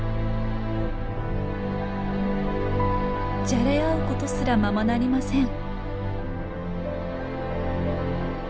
じゃれ合うことすらままなりません。